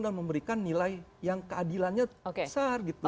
dan memberikan nilai yang keadilannya besar gitu